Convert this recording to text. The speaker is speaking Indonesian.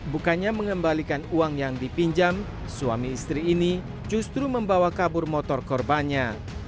bukannya mengembalikan uang yang dipinjam suami istri ini justru membawa kabur motor korbannya